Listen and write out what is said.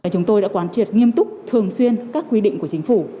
chúng tôi đã quán triệt nghiêm túc thường xuyên các quy định của chính phủ